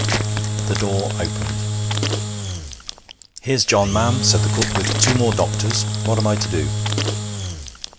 The door opened. 'Here's John, ma'am,' said the cook, 'with two more doctors. What am I to do?'